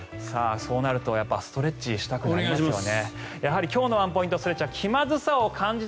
そうなるとストレッチしたくなりますよね。